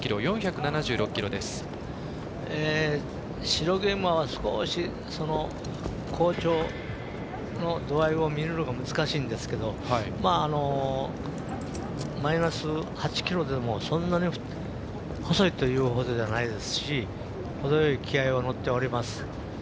白毛馬は、少し好調の度合いを見るのが難しいんですけどマイナス８ｋｇでもそんなに細いというほどでもないですし程よい気合いが乗っております。